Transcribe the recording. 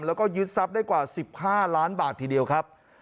แล้วก็ยึดทรัพย์ได้กว่า๑๕ล้านบาททีเดียวครับ